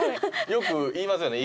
よく言いますよね。